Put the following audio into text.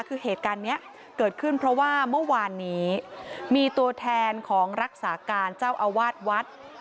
คือเหตุการณ์นี้เกิดขึ้นเพราะว่าเมื่อวานนี้มีตัวแทนของรักษาการเจ้าอาวาสวัด